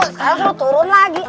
sekarang suruh turun lagi